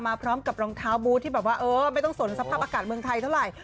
พร้อมกับรองเท้าบูธที่แบบว่าเออไม่ต้องสนสภาพอากาศเมืองไทยเท่าไหร่